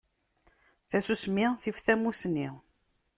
Tasusmi tif tamusni.